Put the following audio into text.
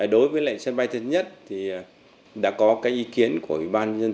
đối với lại sân bay tân sơn nhất thì đã có cái ý kiến của ủy ban nhân tỉnh